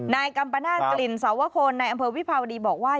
กัมปนาศกลิ่นสวคลในอำเภอวิภาวดีบอกว่า